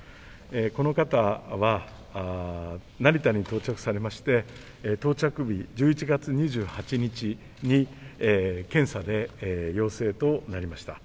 この方は、成田に到着されまして、到着日、１１月２８日に検査で検査で陽性となりました。